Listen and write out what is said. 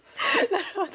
なるほど。